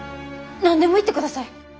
何でも言ってください。